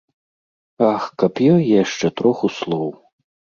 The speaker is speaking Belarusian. Ах, каб ёй яшчэ троху слоў.